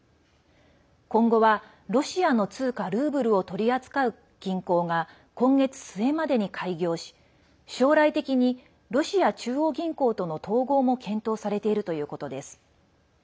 今後はロシアの通貨ルーブルを取り扱う銀行が今月末までに開業し将来的に、ロシア中央銀行との統合も検討されているということです。